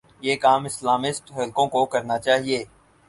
یہ کام اسلامسٹ حلقوں کوکرنا چاہیے۔